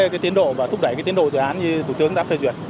cái tiến độ và thúc đẩy cái tiến độ dự án như thủ tướng đã phê duyệt